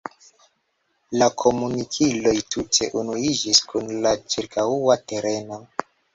La komunikiloj tute unuiĝis kun la ĉirkaŭa tereno.